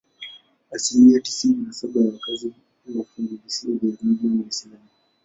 Asilimia tisini na saba ya wakazi wa funguvisiwa vya Zanzibar ni Waislamu.